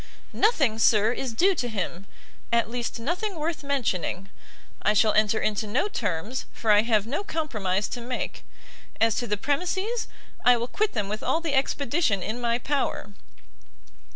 "Nothing, sir, is due to him! at least, nothing worth mentioning. I shall enter into no terms, for I have no compromise to make. As to the premises, I will quit them with all the expedition in my power."